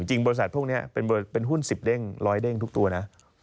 จริงบริษัทพวกนี้เป็นหุ้น๑๐เด้งร้อยเด้งทุกตัวนะ